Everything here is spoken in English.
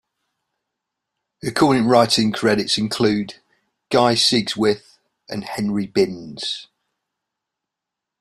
Her current writing credits include, Guy Sigsworth, and Henry Binns.